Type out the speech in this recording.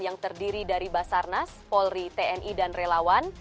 yang terdiri dari basarnas polri tni dan relawan